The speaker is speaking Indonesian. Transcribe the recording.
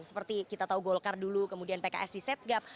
seperti kita tahu golkar dulu kemudian pks di setgab